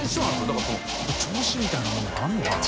だからその調子みたいものがあるのかな？